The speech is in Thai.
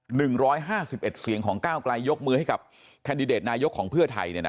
หนึ่งร้อยห้าสิบเอ็ดเสียงของก้าวไกลยกมือให้กับแคนดิเดตนายกของเพื่อไทยเนี่ยนะ